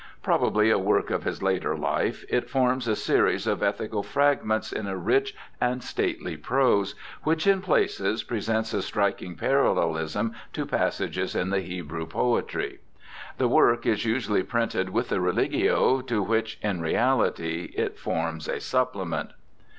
Probably a work of his later life, it forms a series of ethical fragments in a rich and stately prose which, in places, presents a striking parallehsm to passages in the Hebrew poetry. The work is usually printed with the Religio, to which in reality it forms a supplement.